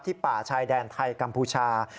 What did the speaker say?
ป่าชายแดนไทยกัมพูชา